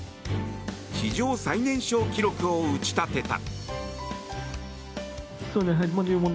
史上最年少記録を打ち立てた。